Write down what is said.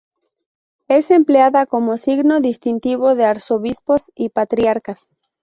Es empleada como signo distintivo de arzobispos y patriarcas.